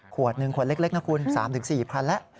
ขวดหนึ่งขวดเล็กนะคุณ๓๔๐๐๐แล้ว